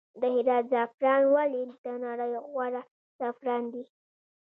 د هرات زعفران ولې د نړۍ غوره زعفران دي؟